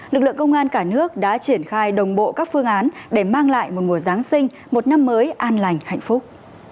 lực lượng công an cả nước đã triển khai đồng bộ các phương án để mang lại một mùa giáng sinh một năm mới an lành hạnh phúc